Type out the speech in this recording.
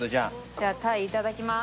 じゃあ鯛いただきます。